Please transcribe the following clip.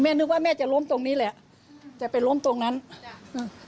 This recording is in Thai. นึกว่าแม่จะล้มตรงนี้แหละจะไปล้มตรงนั้นจ้ะอืม